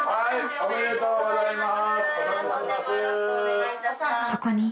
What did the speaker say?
おめでとうございます。